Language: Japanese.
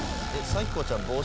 さきこちゃん